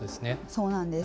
そうなんです。